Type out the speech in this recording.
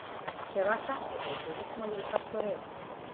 Se basa en el turismo y el pastoreo.